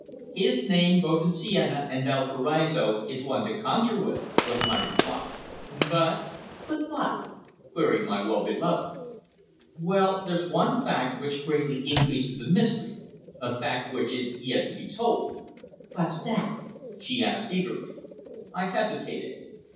His name, both in Seina and Valparaiso, is one to conjure with," was my reply; "but " "But what?" queried my well beloved. "Well, there's one fact which greatly increases the mystery a fact which is yet to be told." "What's that?" she asked eagerly. I hesitated.